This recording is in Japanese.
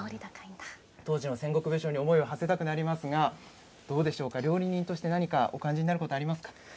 当時の戦国武将に思いをはせたくなりますが、どうでしょうか、料理人として何かお感じになることありますか？